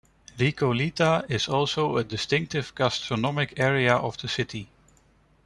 Recoleta is also a distinctive gastronomic area of the city.